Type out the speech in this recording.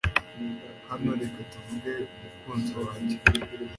Hano reka tuvuge mukunzi wanjye